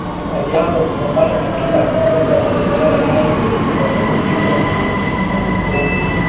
walianza kupambana na kila Mzungu waliyekutana naye kwa kumpiga kwa boga